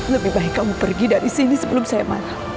lebih baik kamu pergi dari sini sebelum saya marah